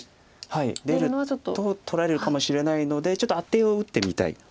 出ると取られるかもしれないのでちょっとアテを打ってみたい。